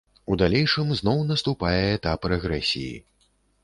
У далейшым зноў наступае этап рэгрэсіі.